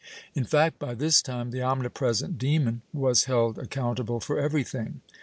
^ In fact, by this time the omnipresent demon was held accountable for everything.